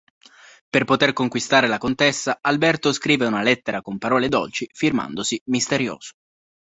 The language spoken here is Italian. Per poter conquistare la contessa, Alberto scrive una lettera con parole dolci firmandosi "misterioso".